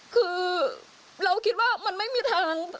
คือเราคิดว่ามันไม่มีทาง